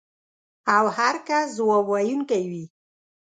او هر کس ځواب ویونکی وي.